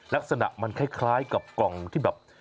ลักษณะมันคล้ายกับกล่องที่แบบ